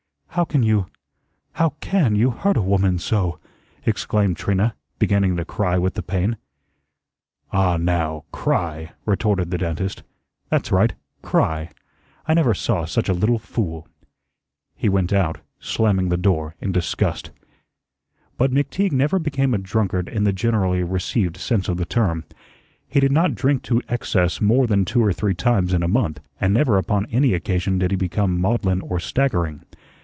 "How can you how CAN you hurt a woman so!" exclaimed Trina, beginning to cry with the pain. "Ah, now, CRY," retorted the dentist. "That's right, CRY. I never saw such a little fool." He went out, slamming the door in disgust. But McTeague never became a drunkard in the generally received sense of the term. He did not drink to excess more than two or three times in a month, and never upon any occasion did he become maudlin or staggering.